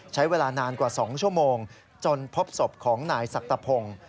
ใช้เวลานานกว่า๒ชั่วโมงจนพบศพของนายสักตะพงศ์